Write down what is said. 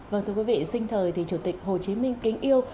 vâng thưa quý vị sinh thời thì chủ tịch hồ chí minh kính yêu